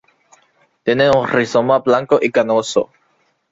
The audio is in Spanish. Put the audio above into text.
Tiene un rizoma blanco y carnoso.